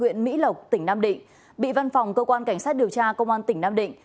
huyện mỹ lộc tỉnh nam định bị văn phòng cơ quan cảnh sát điều tra công an tỉnh nam định